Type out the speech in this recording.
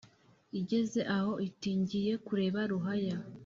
igeze aho iti «ngiye kureba ruhaya.»